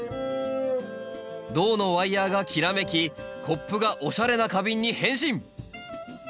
銅のワイヤーがきらめきコップがおしゃれな花瓶に変身！